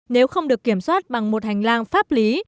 nếu không được kiểm soát bằng một hành lang pháp lý